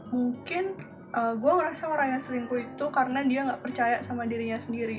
mungkin gue ngerasa orang yang selingkuh itu karena dia nggak percaya sama dirinya sendiri